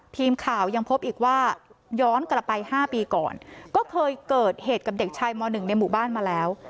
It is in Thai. ทีมข่าวยังพบอีกว่าย้อนกลับไป๕ปีก่อนก็เคยเกิดเหตุกับเด็กชายม๑ในหมู่บ้านมาแล้ว